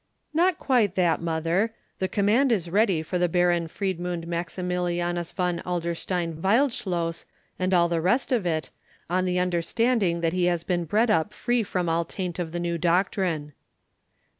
"Not quite that, mother. The command is ready for the Baron Friedmund Maximilianus von Adlerstein Wildschloss, and all the rest of it, on the understanding that he has been bred up free from all taint of the new doctrine."